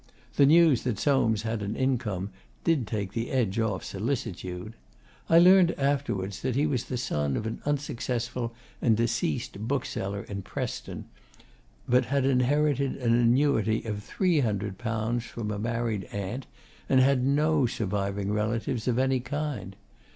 The news that Soames had an income did take the edge off solicitude. I learned afterwards that he was the son of an unsuccessful and deceased bookseller in Preston, but had inherited an annuity of 300 pounds from a married aunt, and had no surviving relatives of any kind.